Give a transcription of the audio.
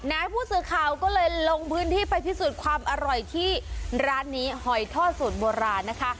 ผู้สื่อข่าวก็เลยลงพื้นที่ไปพิสูจน์ความอร่อยที่ร้านนี้หอยทอดสูตรโบราณนะคะ